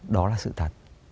đó là sự thật